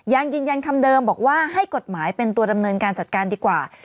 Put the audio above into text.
ยังยืนยันคำเดิมบอกว่าให้กฎหมายเป็นตัวดำเนินการจัดการดีกว่า